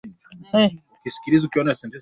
Majibu waliyopeana yalikuwa ya kweli